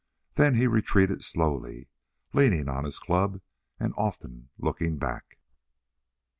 Then he retreated slowly, leaning on his club and often looking back.